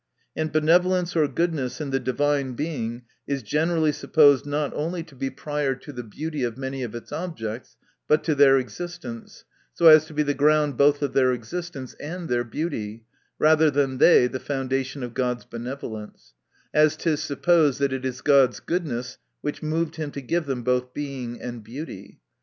And benevolence or goodness in the Divine Being is gen erally supposed, not only to be prior to the beauty of many of its objects, but to their existence : so as to be the ground both of their existence and their beauty, rather than they the foundation of God's benevolence ; as it is supposed that it is God's goodness which moved him to give them both Being and beauty.